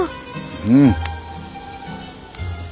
うん。